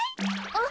あっ！